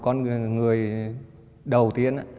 con người đầu tiên